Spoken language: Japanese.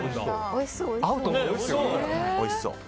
おいしそう。